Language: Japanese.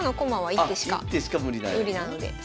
１手しか無理なんやね。